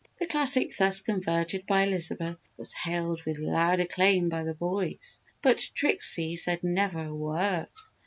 The classic thus converted by Elizabeth was hailed with loud acclaim by the boys, but Trixie said never a word!